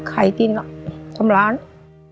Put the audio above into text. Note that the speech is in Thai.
อืมไม่มีรถไทยแล้วนะ